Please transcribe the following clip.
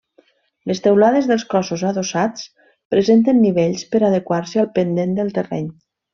Les teulades dels cossos adossats presenten nivells, per adequar-se al pendent del terreny.